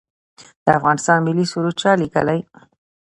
د افغانستان ملي سرود چا لیکلی؟